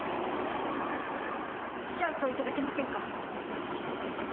チャンスを頂けませんか？